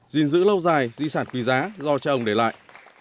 gìn giữ lâu dài di sản quý giá do cha ông để lại